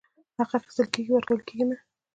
حق اخيستل کيږي، ورکول کيږي نه !!